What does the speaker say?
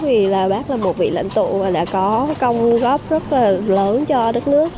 bởi vì bác là một vị lãnh tụ đã có công ưu góp rất lớn cho đất nước